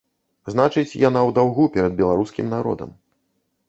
Значыць, яна ў даўгу перад беларускім народам.